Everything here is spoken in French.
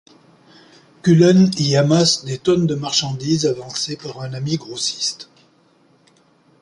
Cullen y amasse des tonnes de marchandises avancées par un ami grossiste.